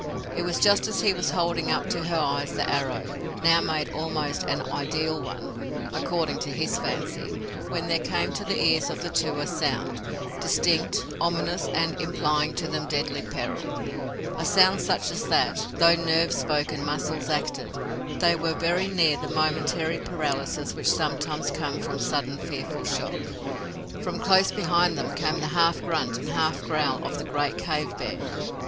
It was just as he was holding up to her eyes the arrow, now made almost an ideal one, according to his fancy, when there came to the ears of the two a sound, distinct, ominous and implying to them deadly peril, a sound such that, though nerves spoke and muscles acted, they were very near the momentary paralysis which sometimes come from sudden fearful shock. From close beside them came the half grunt and half growl of the great cave bear!